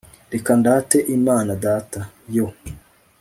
reka ndate imana data, yo